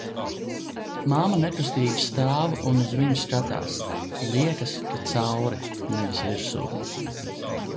Mamma nekustīgi stāv un uz viņu skatās, liekas, ka cauri, nevis virsū.